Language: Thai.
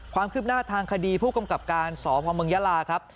ความคืบหน้าทางคดีผู้กำกับการสพเมืองยาลาครับ